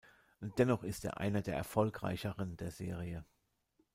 Dennoch ist er einer der erfolgreicheren der Serie.